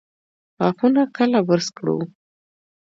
غاښونه کله برس کړو؟